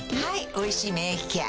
「おいしい免疫ケア」